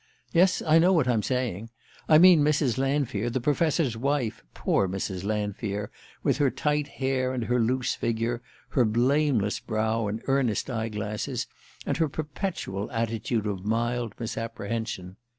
Yes: I know what I'm saying. I mean Mrs. Lanfear, the Professor's wife, poor Mrs. Lanfear, with her tight hair and her loose figure, her blameless brow and earnest eye glasses, and her perpetual attitude of mild misapprehension.